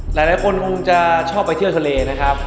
หลายคนคงจะชอบไปเที่ยวทะเลนะครับ